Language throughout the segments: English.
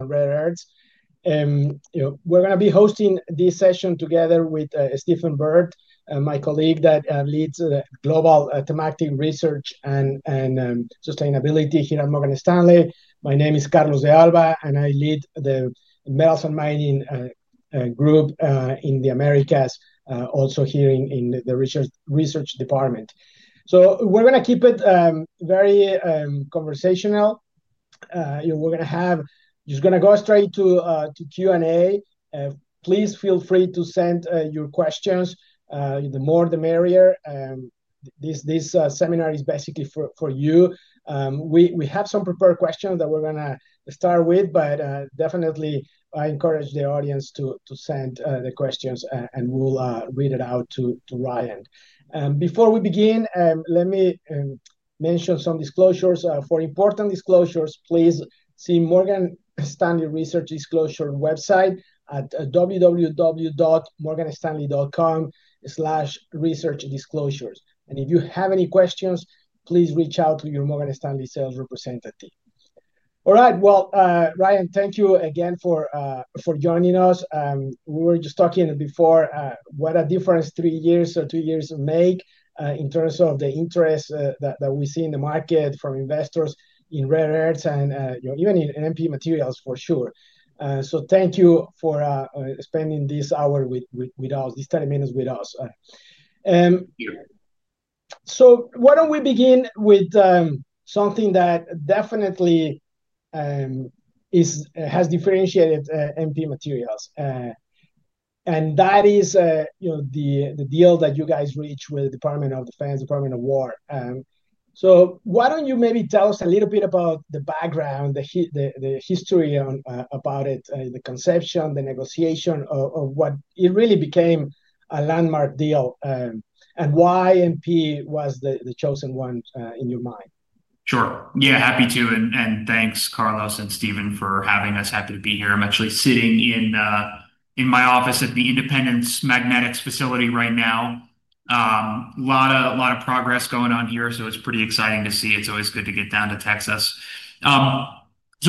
Rare Earths. We're going to be hosting this session together with Stephen Byrd, my colleague that leads the Global Thematic Research and Sustainability here at Morgan Stanley. My name is Carlos de Alba, and I lead the Metals and Mining Group in the Americas, also here in the Research Department. We're going to keep it very conversational. We're going to just go straight to Q&A. Please feel free to send your questions. The more, the merrier. This seminar is basically for you. We have some prepared questions that we're going to start with, but definitely I encourage the audience to send the questions, and we'll read it out to Ryan. Before we begin, let me mention some disclosures. For important disclosures, please see Morgan Stanley Research Disclosure website at www.morganstanley.com/researchdisclosures. If you have any questions, please reach out to your Morgan Stanley sales representative. All right. Ryan, thank you again for joining us. We were just talking before, what a difference three years or two years make in terms of the interest that we see in the market from investors in rare earths and even in MP Materials for sure. Thank you for spending this hour with us, these 30 minutes with us. Thank you. Why don't we begin with something that definitely has differentiated MP Materials. That is the deal that you guys reached with the Department of Defense, Department of War. Why don't you maybe tell us a little bit about the background, the history about it, the conception, the negotiation of what it really became a landmark deal, and why MP was the chosen one in your mind? Sure. Yeah, happy to. Thanks, Carlos and Stephen, for having us. Happy to be here. I'm actually sitting in my office at the Independence Magnetics facility right now. A lot of progress going on here, so it's pretty exciting to see. It's always good to get down to Texas. I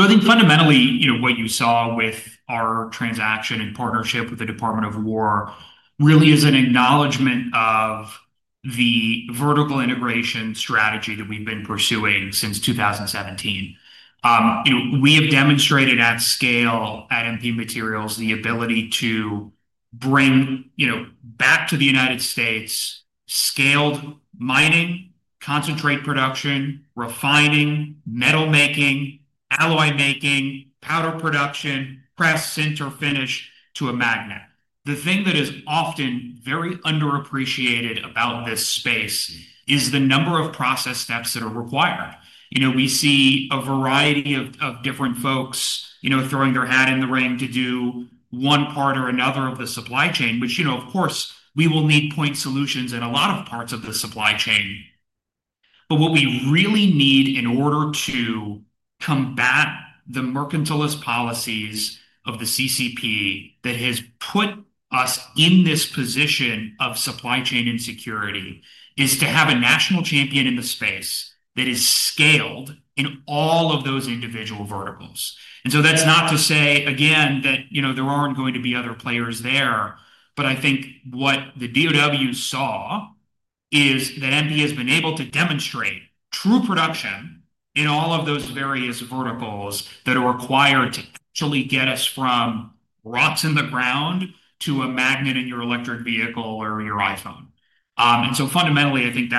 think fundamentally, what you saw with our transaction and partnership with the Department of Defense really is an acknowledgment of the vertical integration strategy that we've been pursuing since 2017. We have demonstrated at scale at MP Materials the ability to bring back to the United States scaled mining, concentrate production, refining, metal making, alloy making, powder production, press, sinter, finish to a magnet. The thing that is often very underappreciated about this space is the number of process steps that are required. We see a variety of different folks throwing their hat in the ring to do one part or another of the supply chain, which, of course, we will need point solutions in a lot of parts of the supply chain. What we really need in order to combat the mercantilist policies of the CCP that has put us in this position of supply chain insecurity is to have a national champion in the space that is scaled in all of those individual verticals. That is not to say, again, that there are not going to be other players there. I think what the Department of Defense saw is that MP has been able to demonstrate true production in all of those various verticals that are required to actually get us from rocks in the ground to a magnet in your electric vehicle or your iPhone. Fundamentally, I think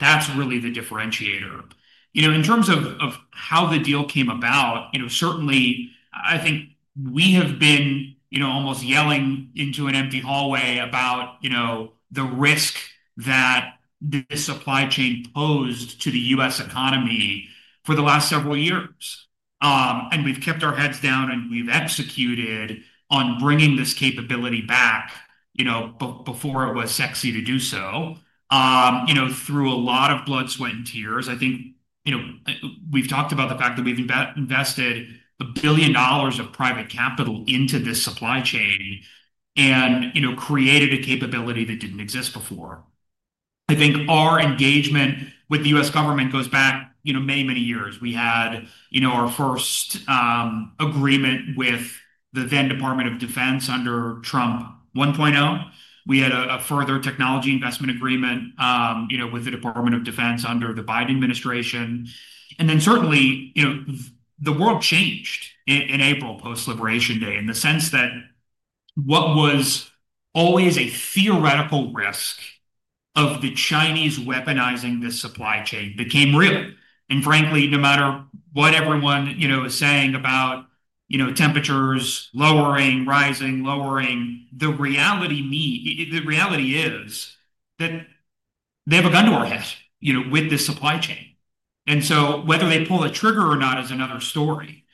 that's really the differentiator. In terms of how the deal came about, certainly, I think we have been almost yelling into an empty hallway about the risk that this supply chain posed to the U.S. economy for the last several years. We've kept our heads down, and we've executed on bringing this capability back before it was sexy to do so through a lot of blood, sweat, and tears. I think we've talked about the fact that we've invested $1 billion of private capital into this supply chain and created a capability that did not exist before. I think our engagement with the U.S. government goes back many, many years. We had our first agreement with the then Department of Defense under Trump 1.0. We had a further technology investment agreement with the Department of Defense under the Biden administration. Certainly, the world changed in April post-Liberation Day in the sense that what was always a theoretical risk of the Chinese weaponizing this supply chain became real. Frankly, no matter what everyone is saying about temperatures lowering, rising, lowering, the reality is that they have a gun to our head with this supply chain. Whether they pull the trigger or not is another story.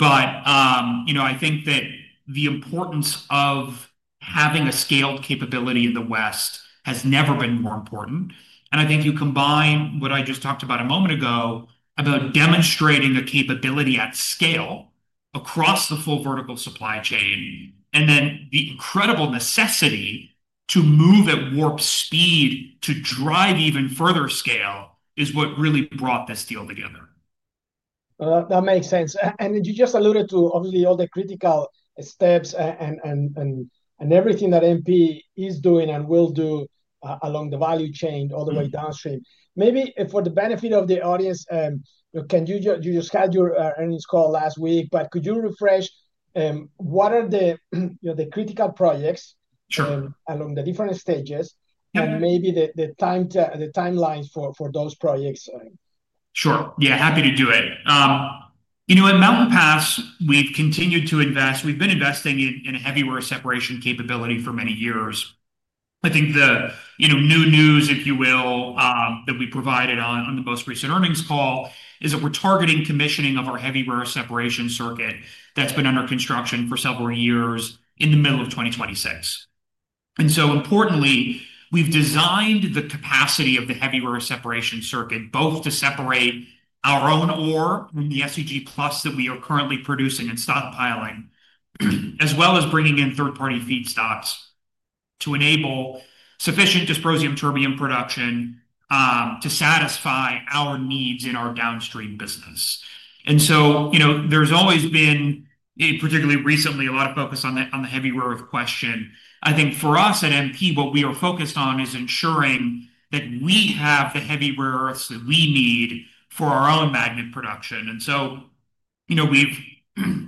I think that the importance of having a scaled capability in the West has never been more important. I think you combine what I just talked about a moment ago about demonstrating a capability at scale across the full vertical supply chain, and then the incredible necessity to move at warp speed to drive even further scale is what really brought this deal together. That makes sense. You just alluded to, obviously, all the critical steps and everything that MP is doing and will do along the value chain all the way downstream. Maybe for the benefit of the audience, you just had your earnings call last week, but could you refresh what are the critical projects along the different stages and maybe the timelines for those projects? Sure. Yeah, happy to do it. At Mountain Pass, we've continued to invest. We've been investing in heavy rare earth separation capability for many years. I think the new news, if you will, that we provided on the most recent earnings call is that we're targeting commissioning of our heavy rare earth separation circuit that's been under construction for several years in the middle of 2026. Importantly, we've designed the capacity of the heavy rare earth separation circuit both to separate our own ore and the SEG+ that we are currently producing and stockpiling, as well as bringing in third-party feedstocks to enable sufficient dysprosium-terbium production to satisfy our needs in our downstream business. There's always been, particularly recently, a lot of focus on the heavy rare earth question. I think for us at MP, what we are focused on is ensuring that we have the heavy rare that we need for our own magnet production. We have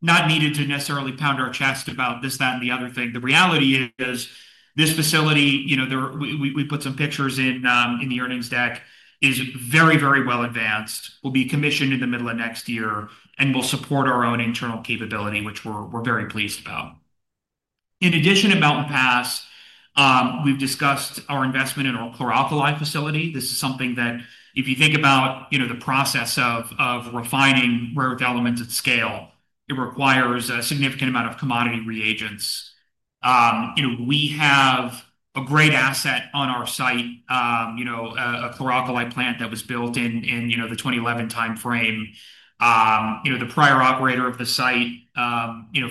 not needed to necessarily pound our chest about this, that, and the other thing. The reality is this facility, we put some pictures in the earnings deck, is very, very well advanced, will be commissioned in the middle of next year, and will support our own internal capability, which we are very pleased about. In addition to Mountain Pass, we have discussed our investment in our chloralkali facility. This is something that if you think about the process of refining rare earth elements at scale, it requires a significant amount of commodity reagents. We have a great asset on our site, a chloralkali plant that was built in the 2011 timeframe. The prior operator of the site,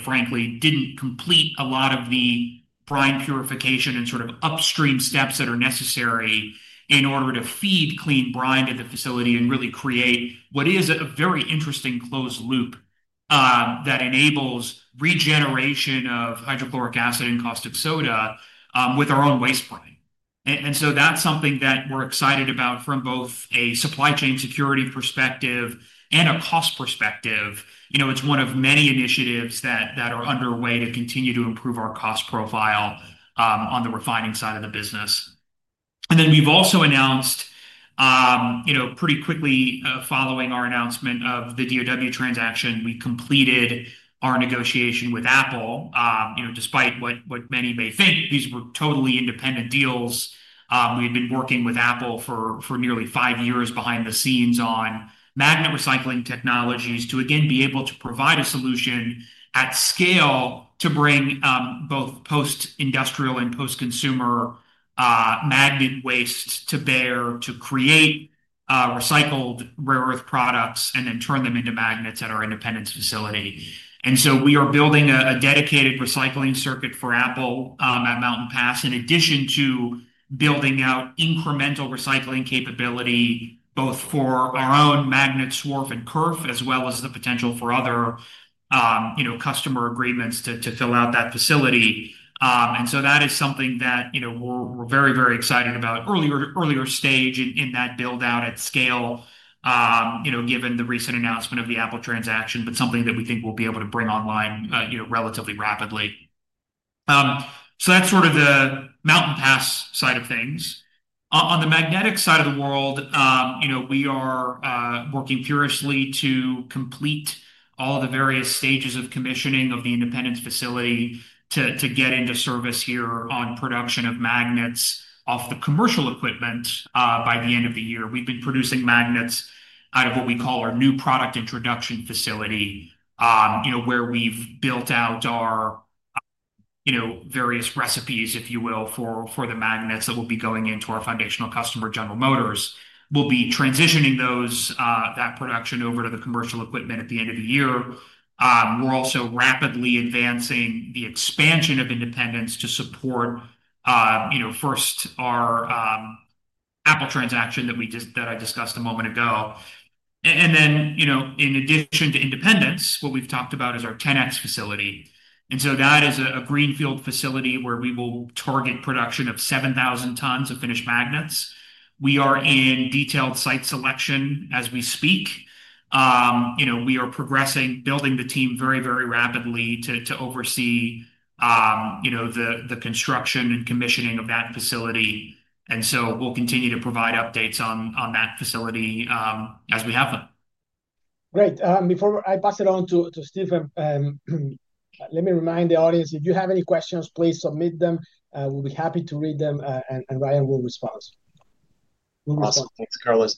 frankly, did not complete a lot of the brine purification and sort of upstream steps that are necessary in order to feed clean brine to the facility and really create what is a very interesting closed loop that enables regeneration of hydrochloric acid and caustic soda with our own waste brine. That is something that we are excited about from both a supply chain security perspective and a cost perspective. It is one of many initiatives that are underway to continue to improve our cost profile on the refining side of the business. We have also announced pretty quickly following our announcement of the DOW transaction, we completed our negotiation with Apple. Despite what many may think, these were totally independent deals. We had been working with Apple for nearly five years behind the scenes on magnet recycling technologies to, again, be able to provide a solution at scale to bring both post-industrial and post-consumer magnet waste to bear to create recycled rare earth products and then turn them into magnets at our Independence facility. We are building a dedicated recycling circuit for Apple at Mountain Pass in addition to building out incremental recycling capability both for our own magnet swarf and kerf, as well as the potential for other customer agreements to fill out that facility. That is something that we're very, very excited about, earlier stage in that build-out at scale, given the recent announcement of the Apple transaction, but something that we think we'll be able to bring online relatively rapidly. That is sort of the Mountain Pass side of things. On the magnetic side of the world, we are working furiously to complete all the various stages of commissioning of the Independence facility to get into service here on production of magnets off the commercial equipment by the end of the year. We have been producing magnets out of what we call our new product introduction facility, where we have built out our various recipes, if you will, for the magnets that will be going into our foundational customer, General Motors. We will be transitioning that production over to the commercial equipment at the end of the year. We are also rapidly advancing the expansion of Independence to support first our Apple transaction that I discussed a moment ago. In addition to Independence, what we have talked about is our 10X facility. That is a greenfield facility where we will target production of 7,000 tons of finished magnets. We are in detailed site selection as we speak. We are progressing, building the team very, very rapidly to oversee the construction and commissioning of that facility. We will continue to provide updates on that facility as we have them. Great. Before I pass it on to Stephen, let me remind the audience, if you have any questions, please submit them. We'll be happy to read them, and Ryan will respond. Awesome. Thanks, Carlos.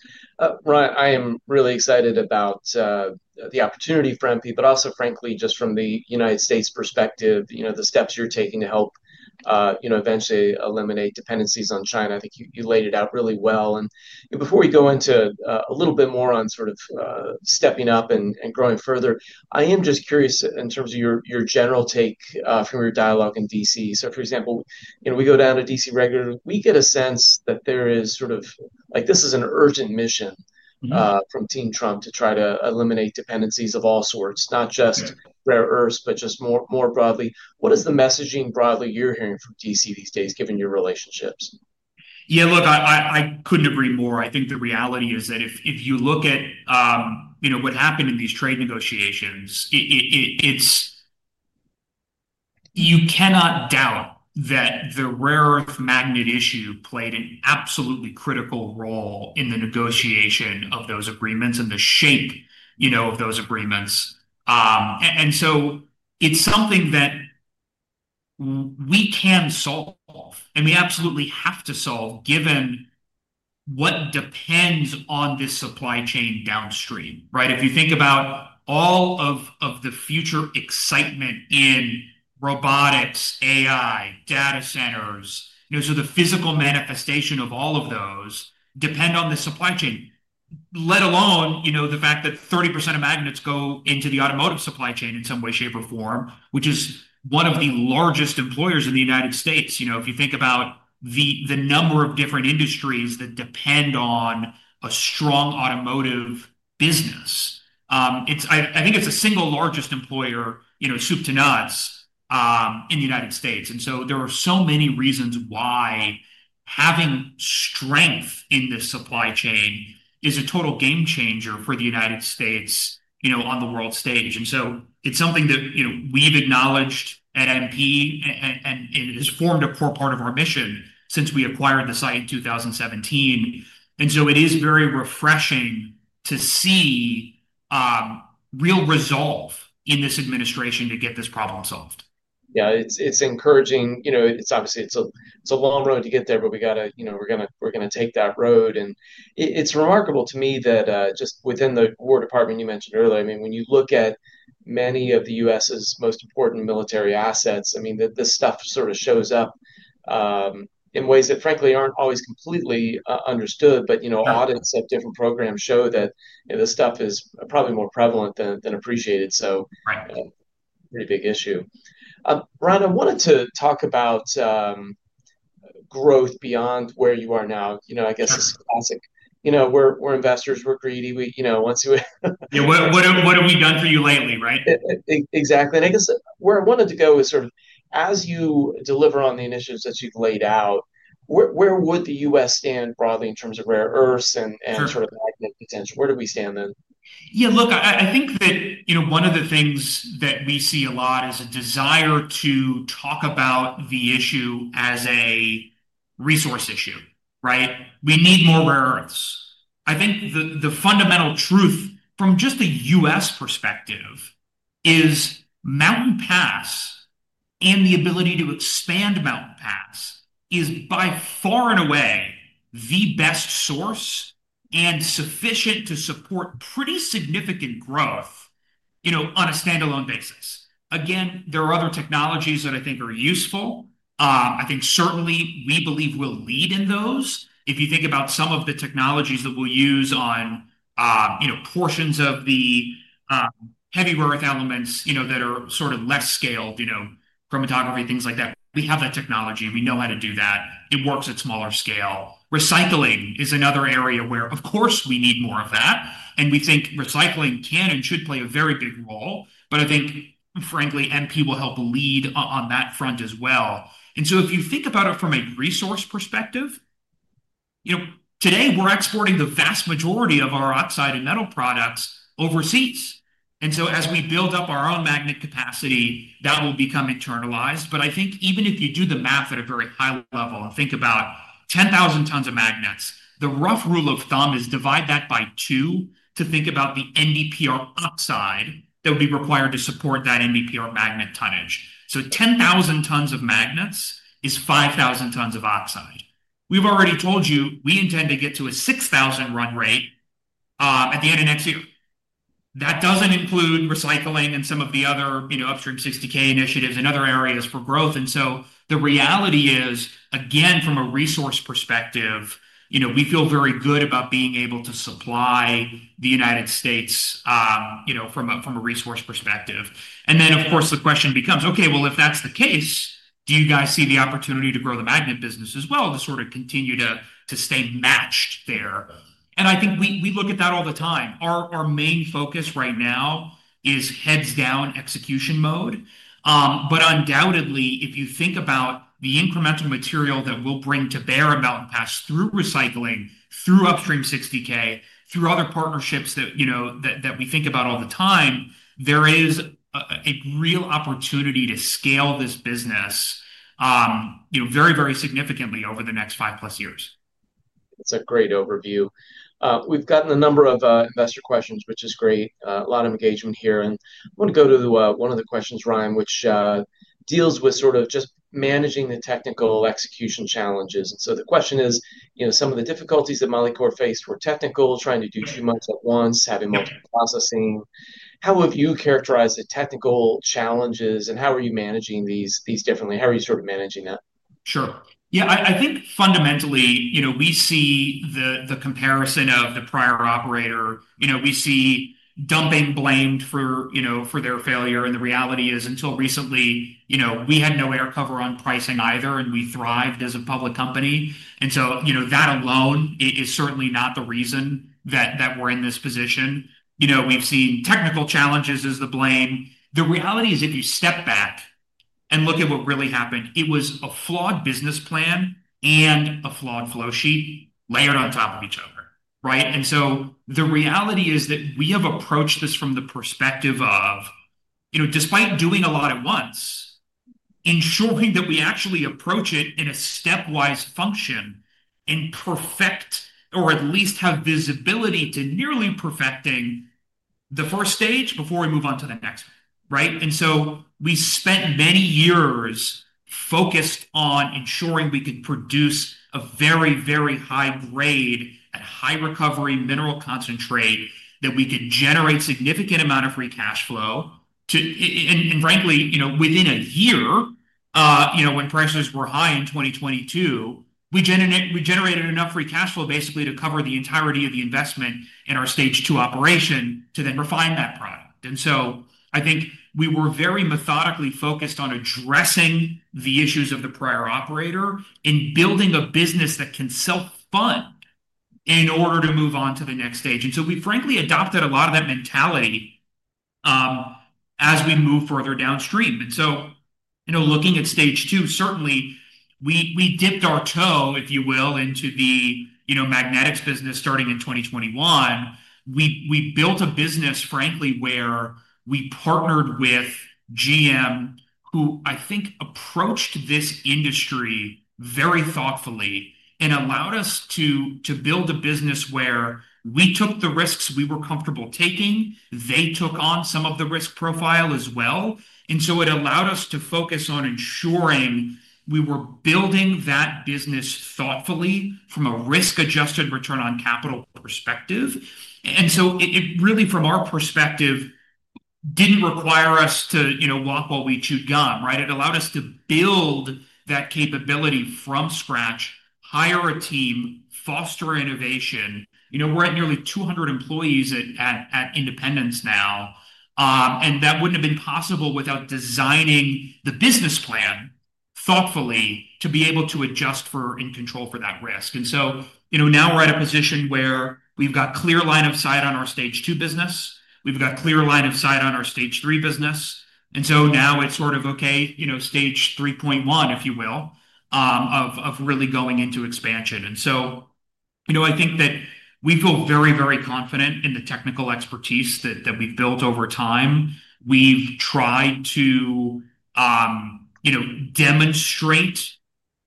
Ryan, I am really excited about the opportunity for MP, but also, frankly, just from the United States perspective, the steps you're taking to help eventually eliminate dependencies on China. I think you laid it out really well. Before we go into a little bit more on sort of stepping up and growing further, I am just curious in terms of your general take from your dialogue in D.C. For example, we go down to D.C. regularly. We get a sense that there is sort of like this is an urgent mission from Team Trump to try to eliminate dependencies of all sorts, not just rare earths, but just more broadly. What is the messaging broadly you're hearing from D.C. these days, given your relationships? Yeah, look, I could not agree more. I think the reality is that if you look at what happened in these trade negotiations, you cannot doubt that the rare earth magnet issue played an absolutely critical role in the negotiation of those agreements and the shape of those agreements. It is something that we can solve, and we absolutely have to solve, given what depends on this supply chain downstream, right? If you think about all of the future excitement in robotics, AI, data centers, the physical manifestation of all of those depend on the supply chain, let alone the fact that 30% of magnets go into the automotive supply chain in some way, shape, or form, which is one of the largest employers in the United States. If you think about the number of different industries that depend on a strong automotive business, I think it's the single largest employer, soup to nuts, in the United States. There are so many reasons why having strength in this supply chain is a total game changer for the United States on the world stage. It's something that we've acknowledged at MP and has formed a core part of our mission since we acquired the site in 2017. It is very refreshing to see real resolve in this administration to get this problem solved. Yeah, it's encouraging. It's obviously a long road to get there, but we got to, we're going to take that road. It's remarkable to me that just within the Department of Defense, you mentioned earlier, I mean, when you look at many of the U.S.'s most important military assets, I mean, this stuff sort of shows up in ways that, frankly, aren't always completely understood. Audits of different programs show that this stuff is probably more prevalent than appreciated. Pretty big issue. Ryan, I wanted to talk about growth beyond where you are now. I guess it's classic. We're investors. We're greedy. Once you—. Yeah, what have we done for you lately, right? Exactly. I guess where I wanted to go is sort of as you deliver on the initiatives that you've laid out, where would the U.S. stand broadly in terms of rare earths and sort of magnet potential? Where do we stand then? Yeah, look, I think that one of the things that we see a lot is a desire to talk about the issue as a resource issue, right? We need more rare earths. I think the fundamental truth from just the U.S. perspective is Mountain Pass and the ability to expand Mountain Pass is by far and away the best source and sufficient to support pretty significant growth on a standalone basis. Again, there are other technologies that I think are useful. I think certainly we believe we'll lead in those. If you think about some of the technologies that we'll use on portions of the heavy rare earth elements that are sort of less scaled, chromatography, things like that, we have that technology. We know how to do that. It works at smaller scale. Recycling is another area where, of course, we need more of that. We think recycling can and should play a very big role. I think, frankly, MP will help lead on that front as well. If you think about it from a resource perspective, today we're exporting the vast majority of our oxide and metal products overseas. As we build up our own magnet capacity, that will become internalized. I think even if you do the math at a very high level and think about 10,000 tons of magnets, the rough rule of thumb is divide that by two to think about the NdPr oxide that would be required to support that NdPr magnet tonnage. 10,000 tons of magnets is 5,000 tons of oxide. We've already told you we intend to get to a 6,000 run rate at the end of next year. That does not include recycling and some of the other upstream 60K initiatives and other areas for growth. The reality is, again, from a resource perspective, we feel very good about being able to supply the United States from a resource perspective. Of course, the question becomes, okay, well, if that is the case, do you guys see the opportunity to grow the magnet business as well to sort of continue to stay matched there? I think we look at that all the time. Our main focus right now is heads-down execution mode. Undoubtedly, if you think about the incremental material that we will bring to bear in Mountain Pass through recycling, through upstream 60K, through other partnerships that we think about all the time, there is a real opportunity to scale this business very, very significantly over the next five plus years. That's a great overview. We've gotten a number of investor questions, which is great. A lot of engagement here. I want to go to one of the questions, Ryan, which deals with sort of just managing the technical execution challenges. The question is, some of the difficulties that Molycorp faced were technical, trying to do too much at once, having multiple processing. How have you characterized the technical challenges, and how are you managing these differently? How are you sort of managing that? Sure. Yeah, I think fundamentally, we see the comparison of the prior operator. We see dumping blamed for their failure. The reality is, until recently, we had no air cover on pricing either, and we thrived as a public company. That alone is certainly not the reason that we're in this position. We've seen technical challenges as the blame. The reality is, if you step back and look at what really happened, it was a flawed business plan and a flawed flowsheet layered on top of each other, right? The reality is that we have approached this from the perspective of, despite doing a lot at once, ensuring that we actually approach it in a stepwise function and perfect or at least have visibility to nearly perfecting the first stage before we move on to the next, right? We spent many years focused on ensuring we could produce a very, very high grade at high recovery mineral concentrate that we could generate a significant amount of free cash flow. Frankly, within a year, when prices were high in 2022, we generated enough free cash flow basically to cover the entirety of the investment in our stage two operation to then refine that product. I think we were very methodically focused on addressing the issues of the prior operator and building a business that can self-fund in order to move on to the next stage. We frankly adopted a lot of that mentality as we move further downstream. Looking at stage two, certainly we dipped our toe, if you will, into the magnetics business starting in 2021. We built a business, frankly, where we partnered with GM, who I think approached this industry very thoughtfully and allowed us to build a business where we took the risks we were comfortable taking. They took on some of the risk profile as well. It allowed us to focus on ensuring we were building that business thoughtfully from a risk-adjusted return on capital perspective. It really, from our perspective, did not require us to walk while we chew gum, right? It allowed us to build that capability from scratch, hire a team, foster innovation. We are at nearly 200 employees at Independence now. That would not have been possible without designing the business plan thoughtfully to be able to adjust for and control for that risk. Now we are at a position where we have got clear line of sight on our stage two business. We've got clear line of sight on our stage three business. Now it's sort of, okay, stage 3.1, if you will, of really going into expansion. I think that we feel very, very confident in the technical expertise that we've built over time. We've tried to demonstrate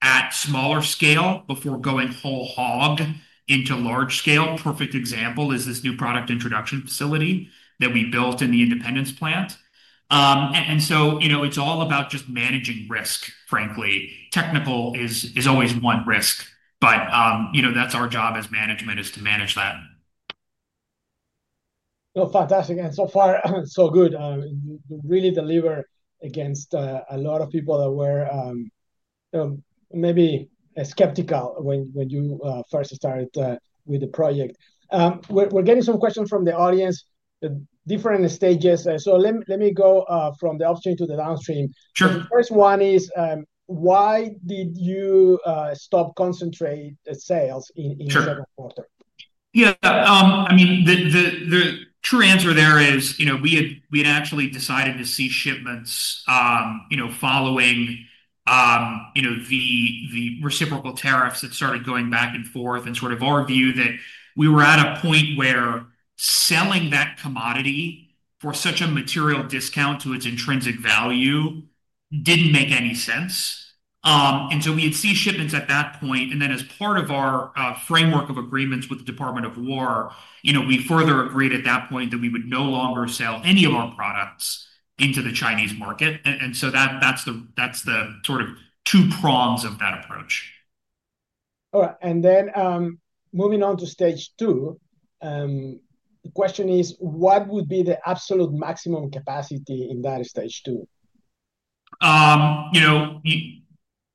at smaller scale before going whole hog into large scale. Perfect example is this new product introduction facility that we built in the Independence plant. It's all about just managing risk, frankly. Technical is always one risk, but that's our job as management is to manage that. Fantastic. And so far, so good. You really deliver against a lot of people that were maybe skeptical when you first started with the project. We're getting some questions from the audience, different stages. Let me go from the upstream to the downstream. The first one is, why did you stop concentrate sales in the second quarter? Yeah. I mean, the true answer there is we had actually decided to cease shipments following the reciprocal tariffs that started going back and forth. And sort of our view that we were at a point where selling that commodity for such a material discount to its intrinsic value didn't make any sense. And so we had ceased shipments at that point. And then as part of our framework of agreements with the Department of Defense, we further agreed at that point that we would no longer sell any of our products into the Chinese market. And so that's the sort of two prongs of that approach. All right. Moving on to stage two, the question is, what would be the absolute maximum capacity in that stage two?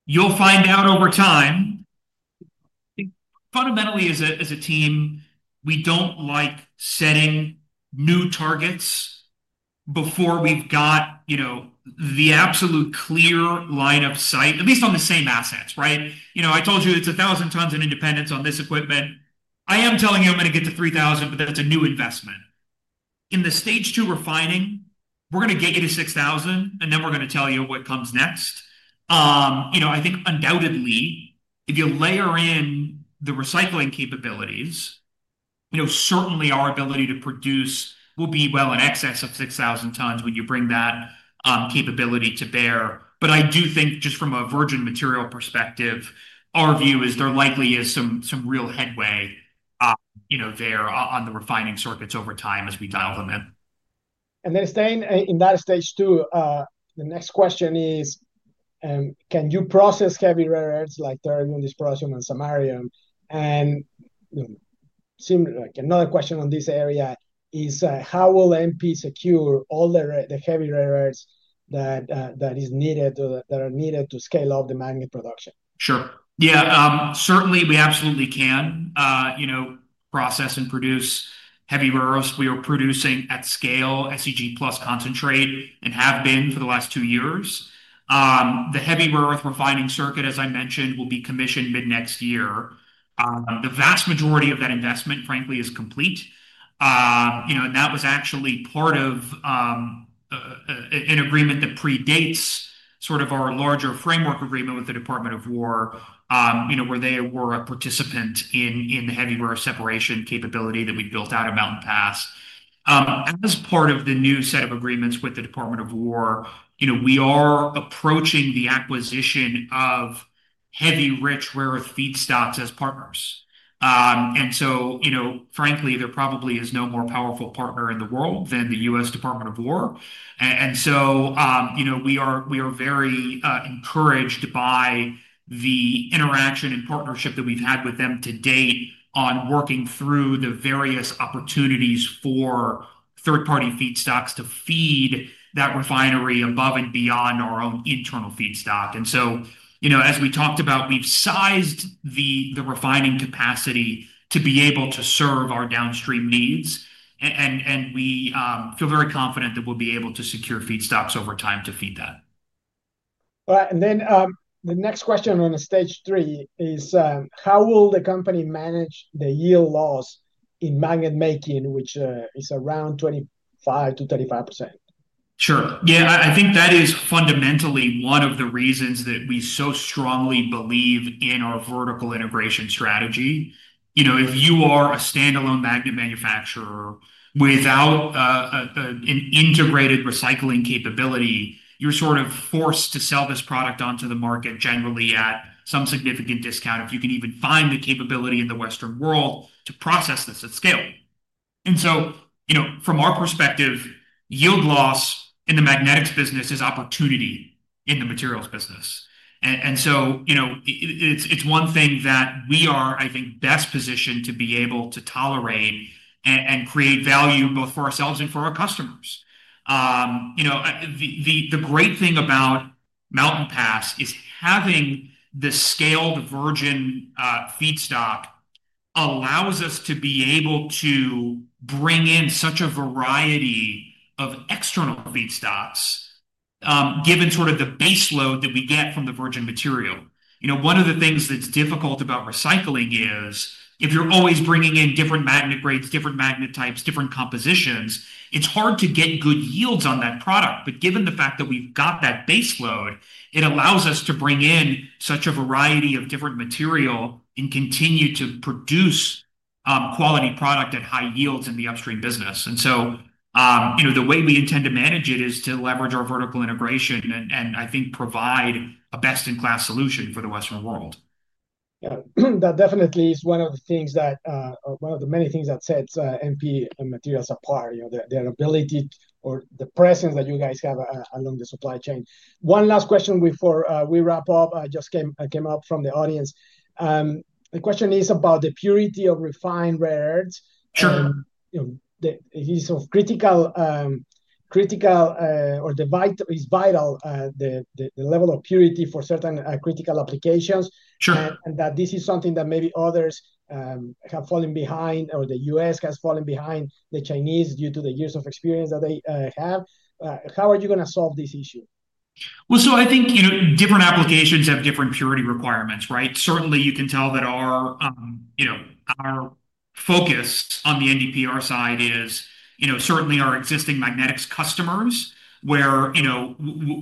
You'll find out over time. Fundamentally, as a team, we don't like setting new targets before we've got the absolute clear line of sight, at least on the same assets, right? I told you it's 1,000 tons of Independence on this equipment. I am telling you I'm going to get to 3,000, but that's a new investment. In the stage two refining, we're going to get you to 6,000, and then we're going to tell you what comes next. I think undoubtedly, if you layer in the recycling capabilities, certainly our ability to produce will be well in excess of 6,000 tons when you bring that capability to bear. I do think just from a virgin material perspective, our view is there likely is some real headway there on the refining circuits over time as we dial them in. Staying in that stage two, the next question is, can you process heavy rare earths like terbium, dysprosium, and samarium? Another question on this area is, how will MP secure all the heavy rare earths that are needed to scale up the magnet production? Sure. Yeah. Certainly, we absolutely can process and produce heavy rare earths. We are producing at scale, SEG+ concentrate, and have been for the last two years. The heavy rare earth refining circuit, as I mentioned, will be commissioned mid-next year. The vast majority of that investment, frankly, is complete. That was actually part of an agreement that predates sort of our larger framework agreement with the Department of Defense, where they were a participant in the heavy rare separation capability that we built out at Mountain Pass. As part of the new set of agreements with the Department of Defense, we are approaching the acquisition of heavy-rich rare earth feedstocks as partners. Frankly, there probably is no more powerful partner in the world than the U.S. Department of Defense. We are very encouraged by the interaction and partnership that we've had with them to date on working through the various opportunities for third-party feedstocks to feed that refinery above and beyond our own internal feedstock. As we talked about, we've sized the refining capacity to be able to serve our downstream needs. We feel very confident that we'll be able to secure feedstocks over time to feed that. All right. The next question on stage three is, how will the company manage the yield loss in magnet making, which is around 25-35%? Sure. Yeah. I think that is fundamentally one of the reasons that we so strongly believe in our vertical integration strategy. If you are a standalone magnet manufacturer without an integrated recycling capability, you're sort of forced to sell this product onto the market generally at some significant discount if you can even find the capability in the Western world to process this at scale. From our perspective, yield loss in the magnetics business is opportunity in the materials business. It is one thing that we are, I think, best positioned to be able to tolerate and create value both for ourselves and for our customers. The great thing about Mountain Pass is having the scaled virgin feedstock allows us to be able to bring in such a variety of external feedstocks given sort of the base load that we get from the virgin material. One of the things that's difficult about recycling is if you're always bringing in different magnet grades, different magnet types, different compositions, it's hard to get good yields on that product. Given the fact that we've got that base load, it allows us to bring in such a variety of different material and continue to produce quality product at high yields in the upstream business. The way we intend to manage it is to leverage our vertical integration and, I think, provide a best-in-class solution for the Western world. Yeah. That definitely is one of the things that, one of the many things that sets MP Materials apart, their ability or the presence that you guys have along the supply chain. One last question before we wrap up just came up from the audience. The question is about the purity of refined rare earths. Sure. It is of critical or is vital the level of purity for certain critical applications, and that this is something that maybe others have fallen behind or the U.S. has fallen behind the Chinese due to the years of experience that they have. How are you going to solve this issue? I think different applications have different purity requirements, right? Certainly, you can tell that our focus on the NdPr side is certainly our existing magnetics customers where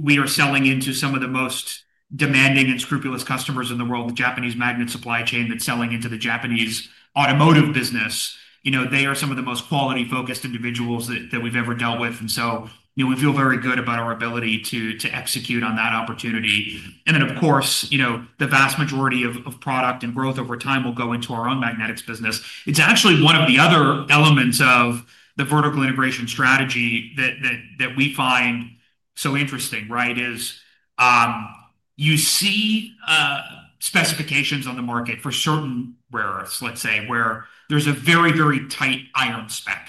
we are selling into some of the most demanding and scrupulous customers in the world, the Japanese magnet supply chain that's selling into the Japanese automotive business. They are some of the most quality-focused individuals that we've ever dealt with. We feel very good about our ability to execute on that opportunity. Of course, the vast majority of product and growth over time will go into our own magnetics business. It's actually one of the other elements of the vertical integration strategy that we find so interesting, right, is you see specifications on the market for certain rare earths, let's say, where there's a very, very tight iron spec.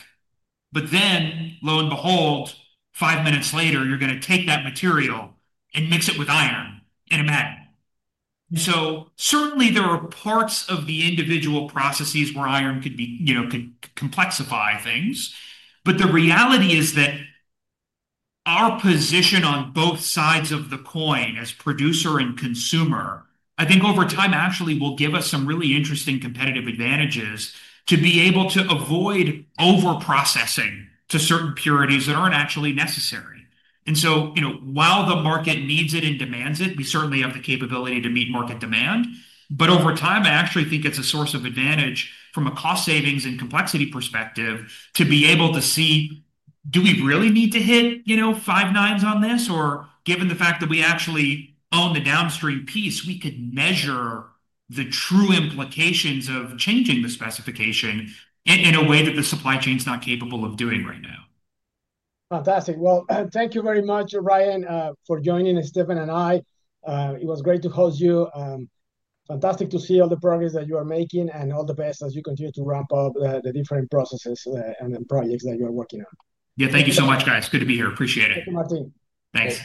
Lo and behold, five minutes later, you're going to take that material and mix it with iron in a magnet. Certainly, there are parts of the individual processes where iron could complexify things. The reality is that our position on both sides of the coin as producer and consumer, I think over time, actually will give us some really interesting competitive advantages to be able to avoid overprocessing to certain purities that aren't actually necessary. While the market needs it and demands it, we certainly have the capability to meet market demand. Over time, I actually think it's a source of advantage from a cost savings and complexity perspective to be able to see, do we really need to hit five nines on this? Given the fact that we actually own the downstream piece, we could measure the true implications of changing the specification in a way that the supply chain's not capable of doing right now. Fantastic. Thank you very much, Ryan, for joining us, Stephen and I. It was great to host you. Fantastic to see all the progress that you are making and all the best as you continue to ramp up the different processes and projects that you are working on. Yeah. Thank you so much, guys. Good to be here. Appreciate it. Thank you, Martin. Thanks.